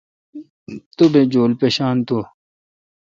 توٹھ چول پیشان تو۔